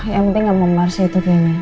yang penting gak memarsih itu kayaknya